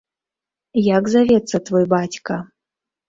Як завецца твой бацька?